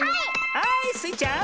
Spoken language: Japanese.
はいスイちゃん。